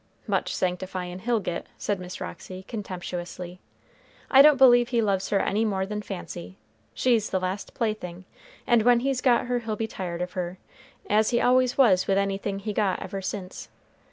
"Much sanctifyin' he'll get," said Miss Roxy, contemptuously. "I don't believe he loves her any more than fancy; she's the last plaything, and when he's got her, he'll be tired of her, as he always was with anything he got ever since.